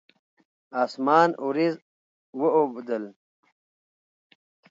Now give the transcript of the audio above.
اسمان اوریځ واوبدل